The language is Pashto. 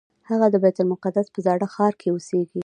هغه د بیت المقدس په زاړه ښار کې اوسېږي.